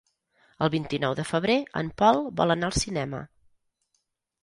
El vint-i-nou de febrer en Pol vol anar al cinema.